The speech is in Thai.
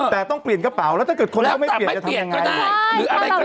แต่ต้องเปลี่ยนกระเป๋าแล้วถ้าเกิดคนแล้วไม่เปลี่ยนจะทำยังไง